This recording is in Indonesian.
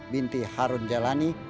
binti harun jalani